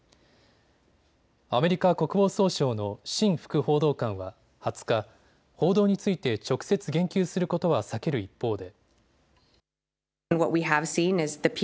アメリカ国防総省のシン副報道官は２０日、報道について直接言及することは避ける一方で。